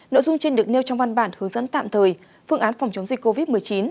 nội dung trên được nêu trong văn bản hướng dẫn tạm thời phương án phòng chống dịch covid một mươi chín